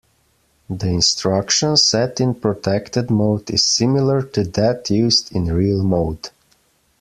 The instruction set in protected mode is similar to that used in real mode.